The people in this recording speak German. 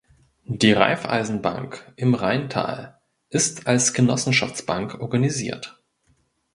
Die Raiffeisenbank Im Rheintal ist als Genossenschaftsbank organisiert.